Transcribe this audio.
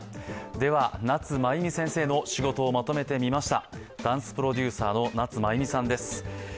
では、夏まゆみ先生の仕事をまとめてみました。